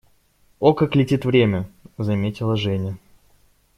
«О, как летит время!», - заметила Женя.